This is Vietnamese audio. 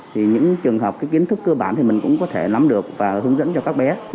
thì những trường hợp cái kiến thức cơ bản thì mình cũng có thể nắm được và hướng dẫn cho các bé